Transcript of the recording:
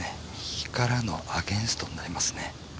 右からのアゲンストになりますね。